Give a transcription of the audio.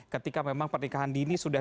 ketika memang pernikahan dini sudah